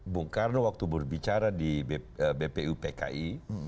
bung karno waktu berbicara di bpupki